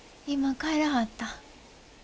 今帰らはった。